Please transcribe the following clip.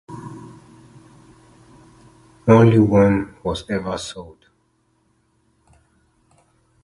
Only one was ever sold.